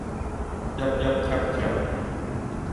揜揜貼貼